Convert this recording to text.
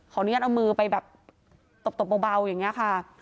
อนุญาตเอามือไปแบบตบเบาอย่างนี้ค่ะ